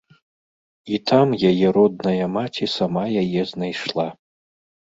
І там яе родная маці сама яе знайшла.